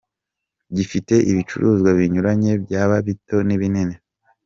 com, gifite ibicuruzwa binyuranye byaba ibito n’ibinini.